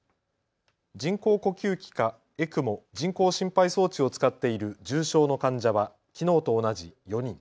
人工呼吸器かＥＣＭＯ・人工心肺装置を使っている重症の患者はきのうと同じ４人。